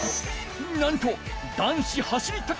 なんと男子走り